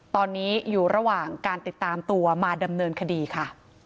ตอนนี้อยู่ระหว่างการติดตามตัวมาดำเนินคดีค่ะ